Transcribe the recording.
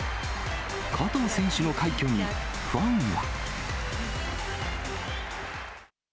加藤選手の快挙にファンは。